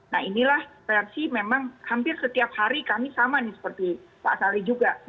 nah inilah versi memang hampir setiap hari kami sama nih seperti pak sali juga